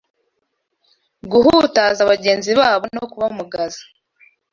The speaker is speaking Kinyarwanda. guhutaza bagenzi babo no kubamugaza.